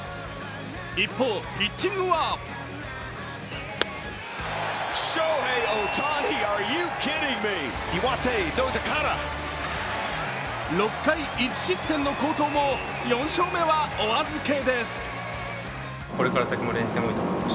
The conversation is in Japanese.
一方、ピッチングは６回１失点の好投も４勝目はお預けです。